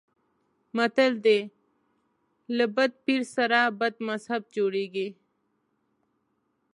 متل دی: له بد پیر سره بد مذهب جوړېږي.